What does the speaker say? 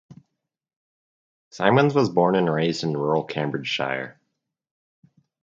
Simmons was born and raised in rural Cambridgeshire.